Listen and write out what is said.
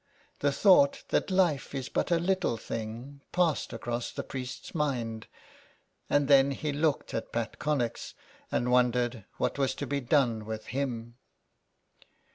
The thought that life is but a little thing passed across the priest's mind, and then he looked at Pat Connex and wondered what was to be done with him.